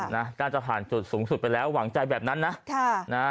น่าจะผ่านจุดสูงสุดไปแล้วหวังใจแบบนั้นนะค่ะนะ